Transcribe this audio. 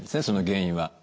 その原因は。